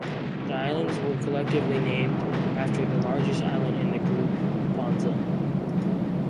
The islands were collectively named after the largest island in the group, Ponza.